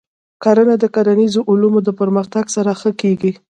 کرنه د کرنیزو علومو د پرمختګ سره ښه کېږي.